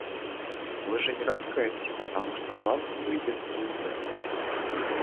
Вы же не раскаетесь, потому что вам выйдет звезда.